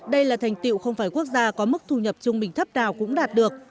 đây là thành tiệu không phải quốc gia có mức thu nhập trung bình thấp nào cũng đạt được